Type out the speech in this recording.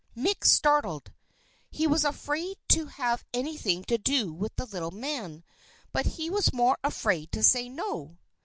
Mick started. He was afraid to have anything to do with the little man, but he was more afraid to say no.